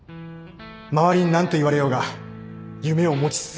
周りに何と言われようが夢を持ち続けた人。